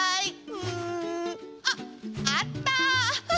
うんあっあった！